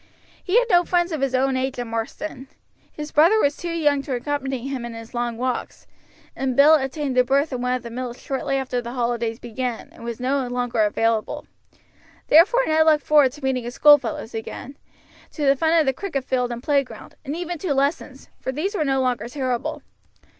He had no friends of his own age in Marsden; his brother was too young to accompany him in his long walks, and Bill obtained a berth in one of the mills shortly after the holidays began, and was no longer available. Therefore Ned looked forward to meeting his schoolfellows again, to the fun of the cricket field and playground, and even to lessons, for these were no longer terrible.